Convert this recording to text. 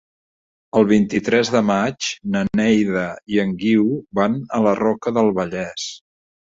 El vint-i-tres de maig na Neida i en Guiu van a la Roca del Vallès.